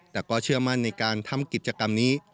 แต่ก็เชื่อมั่นในการทำกิจกรรมนี้